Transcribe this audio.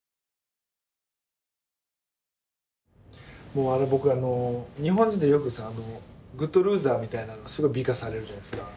もうあれ僕あの日本人でよくさグッドルーザーみたいなのすごい美化されるじゃないですか。